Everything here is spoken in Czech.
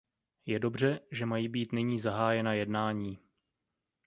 Je dobře, že mají být nyní zahájena jednání.